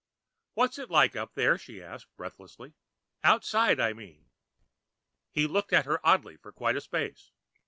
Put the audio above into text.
"What's it like up there?" she asked breathlessly. "Outside, I mean." He looked at her oddly for quite a space.